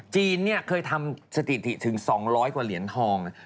เคยทำสถิติถึง๒๐๐กว่าเหรียญทอง